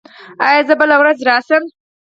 ایا زه بله ورځ راشم؟